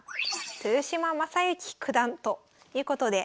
豊島将之九段ということで。